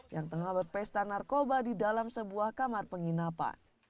yang tengah berpesta narkoba di dalam sebuah kamar penginapan